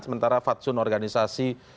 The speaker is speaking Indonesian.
sementara fatsun organisasi